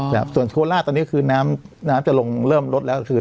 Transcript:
แต่ส่วนโทรลาตตอนนี้นะคะคือน้ำน้ำจะลงเริ่มลดแล้วคือ